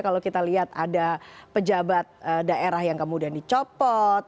kalau kita lihat ada pejabat daerah yang kemudian dicopot